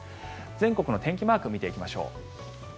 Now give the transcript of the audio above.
全国の天気マークを見ていきましょう。